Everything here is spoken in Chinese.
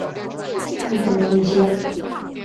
密克罗尼西亚。